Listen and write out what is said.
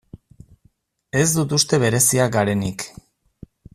Ez dut uste bereziak garenik.